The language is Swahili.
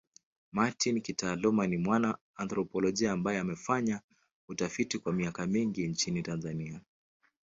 Martin kitaaluma ni mwana anthropolojia ambaye amefanya utafiti kwa miaka mingi nchini Tanzania.